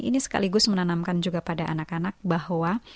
ini sekaligus menanamkan juga pada anak anak bahwa